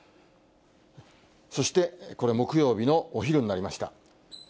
そしてこれ、木曜日のお昼になりました。